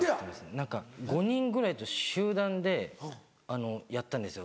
何か５人ぐらいと集団でやったんですよ。